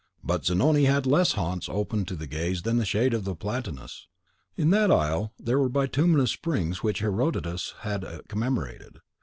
But Zanoni had haunts less open to the gaze than the shade of the platanus. In that isle there are the bituminous springs which Herodotus has commemorated.